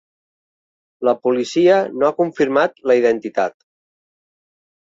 La policia no ha confirmat la identitat.